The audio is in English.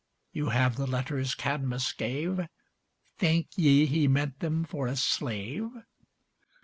You have the letters Cadmus gave Think ye he meant them for a slave?